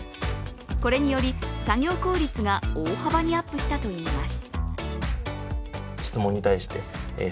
これにより作業効率が大幅にアップしたといいます。